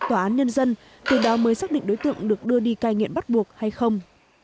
tòa án nhân dân từ đó mới xác định đối tượng được đưa đi cai nghiện bắt buộc hay không